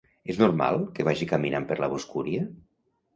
És normal que vagi caminant per la boscúria?